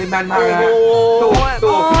อีงอะไรกัน